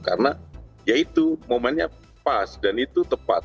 karena ya itu momennya pas dan itu tepat